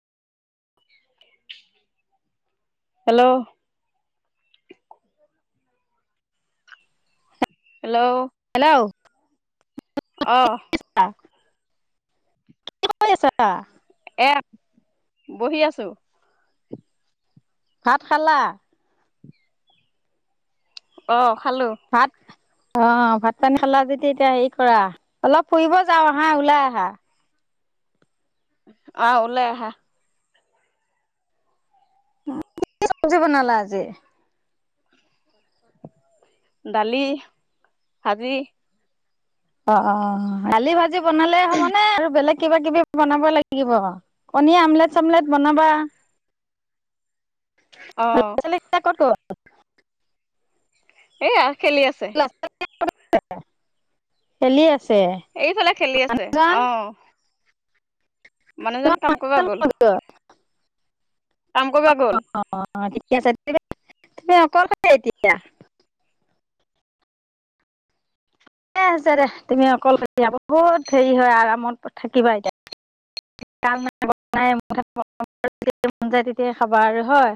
Hello. Hello. Hello. অ'। [unintelligible] কি কৰি আছাঁ? এ, বহি আছোঁ। ভাত খালা? অ', খালোঁ। ভাত। অ', ভাত পানী খালা যদি এতিয়া হেৰি কৰা, অলপ ফুৰিব যাও আহা ওলাই আহা। আ, ওলাই আহা। [unintelligible] বনালা আজি। দালি, ভাজি। অ', অ', দালি ভাজি বনালে হ'ব নে আৰু বেলেগ কিবা কিবি বনাব লাগিব, কণী আমলেট-চামলেট বনাবা। অ'। [unintelligible] ক'ত গ'ল। এইয়া খেলি আছে। [unintelligible] খেলি আছে। এইফালে খেলি আছে জন অ'। মানুহজন কাম কৰিব গ'ল। [inaudible] কাম কৰিব গ'ল। অ', অ' ঠিকে আছে, [unintelligible] তুমি অকলে এতিয়া। ঠিকেই আছে দে তুমি অকলশৰীয়া, বহুত হেৰি হয় আৰামত থাকিবা এতিয়া। কম নাই বন নাই [unintelligible] যেতিয়াই মন যায় তেতিয়াই খাবা আৰু হয়।